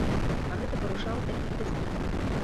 А гэта парушала тэхніку бяспекі.